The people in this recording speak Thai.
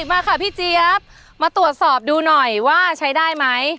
มาค่ะพี่เจี๊ยบมาตรวจสอบดูหน่อยว่าใช้ได้ไหม